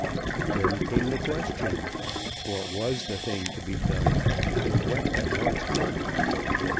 Then came the question what was the thing to be done, and what at once meant?